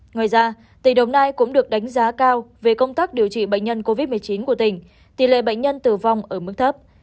ngoài ra tỉnh đồng nai cũng được đánh giá cao về công tác điều trị bệnh nhân covid một mươi chín của tỉnh tỷ lệ bệnh nhân tử vong ở mức thấp